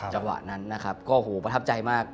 จังหวะนั้นนะครับก็โหประทับใจมาก